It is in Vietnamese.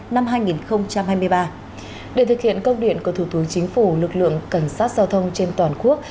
năm hai nghìn hai mươi ba để thực hiện công điện của thủ tướng chính phủ lực lượng cảnh sát giao thông trên toàn quốc